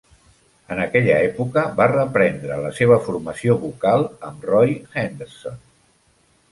En aquella època va reprendre la seva formació vocal amb Roy Henderson.